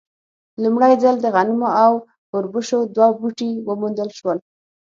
لومړی ځل د غنمو او اوربشو دوه بوټي وموندل شول.